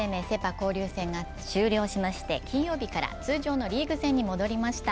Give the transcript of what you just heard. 交流戦が終了しまして、金曜日から通常のリーグ戦に戻りました。